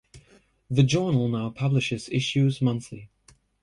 The journal now publishes issues monthly.